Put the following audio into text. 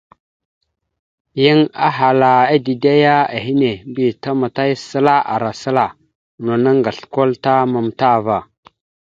Yan ahala dide ya ehene, mbiyez tamataya səla ara səla, no naŋgasl kwal ta matam ava.